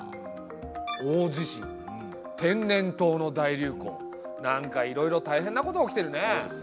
大地震天然痘の大流行なんかいろいろたいへんなことが起きてるね。